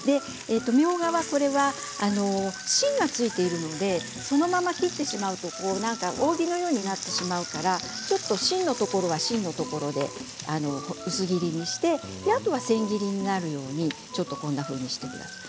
みょうがは芯がついているのでそのまま切ってしまうと扇のようになってしまいますので芯のところは芯のところで薄切りにしてあとは千切りになるようにしてください。